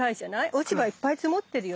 落ち葉いっぱい積もってるよね？